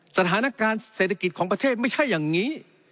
สถานการณ์เศรษฐกิจของประเทศไม่ใช่อย่างนี้